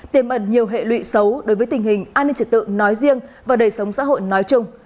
tiềm ẩn nhiều hệ lụy xấu đối với tình hình an ninh trật tự nói riêng và đời sống xã hội nói chung